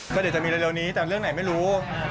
ก็เดี๋ยวจะมีเร็วนี้แต่เรื่องไหนไม่รู้